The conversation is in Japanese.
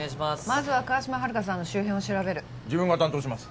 まず川島春香さんの周辺を調べる自分が担当します